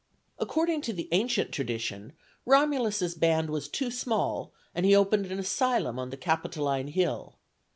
According to the ancient tradition, Romulus's band was too small, and he opened an asylum on the Capitoline hill.